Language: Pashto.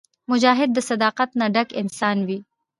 مجاهد د صداقت نه ډک انسان وي.